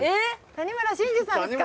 谷村真司さんですか！？